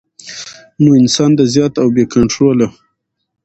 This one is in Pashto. نو انسان د زيات او بې کنټروله